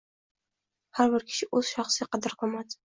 har bir kishi o‘z shaxsiy qadr-qimmati